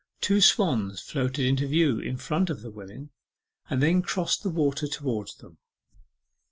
Two swans floated into view in front of the women, and then crossed the water towards them.